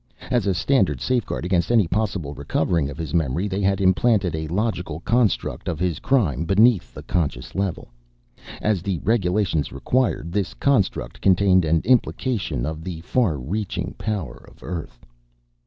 As a standard safeguard against any possible recovering of his memory, they had implanted a logical construct of his crime beneath the conscious level. As the regulations required, this construct contained an implication of the far reaching power of Earth.